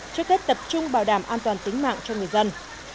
cho cách tập trung bảo đảm an toàn tính mạng cho người dân